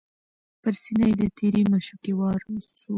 پر سینه یې د تیرې مشوکي وار سو